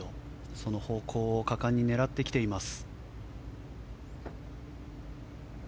その方向を果敢に狙ってきています。